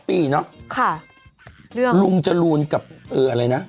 ปีเนอะค่ะเรื่องลุงจรูนกับอะไรนะ